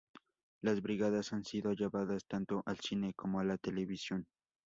Las brigadas han sido llevadas tanto al cine como a la televisión.